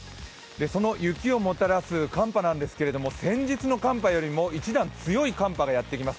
その雪をもたらす寒波なんですけれども、先日の寒波よりも一段強い寒波がやってきます。